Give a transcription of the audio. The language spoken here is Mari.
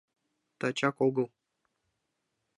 Тачак огыл.